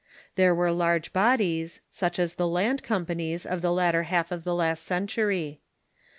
There were large bodies, such as the land companies of the latter half of the last century.